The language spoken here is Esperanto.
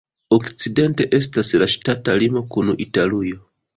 Okcidente estas la ŝtata limo kun Italujo.